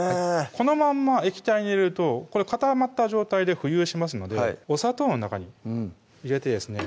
このまんま液体に入れると固まった状態で浮遊しますのでお砂糖の中に入れてですね